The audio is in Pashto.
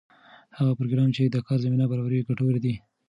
هغه پروګرام چې د کار زمینه برابروي ګټور دی.